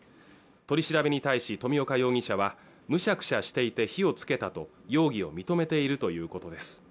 取り調べに対し富岡容疑者はむしゃくしゃしていて火をつけたと容疑を認めているということです